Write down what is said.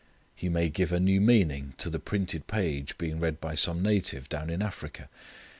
He may give a new meaning to the printed page being read by some native down in Africa.